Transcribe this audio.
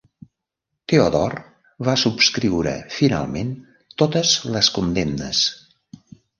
Teodor va subscriure finalment totes les condemnes.